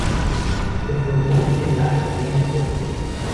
Se formó en la Academia Borrell.